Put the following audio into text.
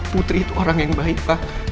putri itu orang yang baik pak